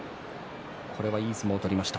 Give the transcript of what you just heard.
これは、いい相撲を取りました。